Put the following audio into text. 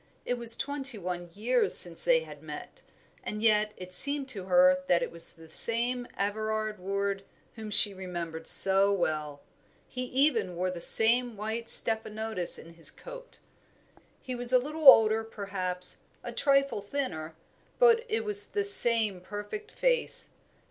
It was twenty one years since they had met, and yet it seemed to her that it was the same Everard Ward whom she remembered so well; he even wore the same white stephanotis in his coat. He was a little older, perhaps, a trifle thinner, but it was the same perfect face.